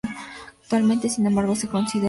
Actualmente, sin embargo, se considera amenazada.